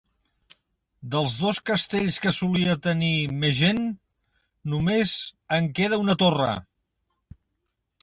Dels dos castells que solia tenir Megen, només en queda una torre.